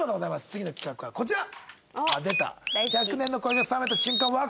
次の企画はこちら！